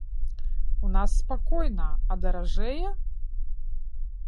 У нас спакойна, а даражэе?